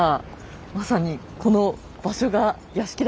まさにこの場所が屋敷だったんですね。